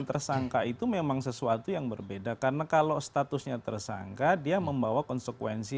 tersangka itu memang sesuatu yang berbeda karena kalau statusnya tersangka dia membawa konsekuensi